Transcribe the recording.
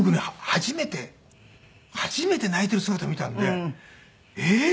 初めて初めて泣いている姿見たのでええー